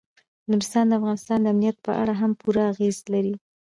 نورستان د افغانستان د امنیت په اړه هم پوره اغېز لري.